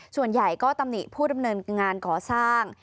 ส่วนใหญ่ก็ตำหนิผู้ดำเนินงานก่อสร้าง